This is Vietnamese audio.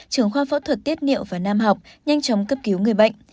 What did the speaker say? trưởng khoa phẫu thuật tiết niệu và nam học nhanh chóng cấp cứu người bệnh